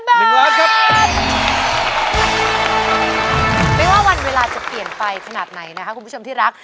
ไม่ว่าวันเวลาจะเปลี่ยนไปขนาดไหนนะคะคุณผู้ชมที่รัก